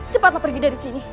cepatlah pergi dari sini